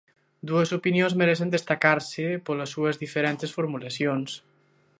Dúas opinións merecen destacarse polas súas diferentes formulacións.